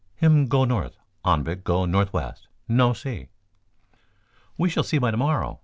"Him go north. Anvik go northwest. No see." "We shall see by to morrow.